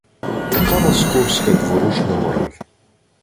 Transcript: Така московська дворушна мораль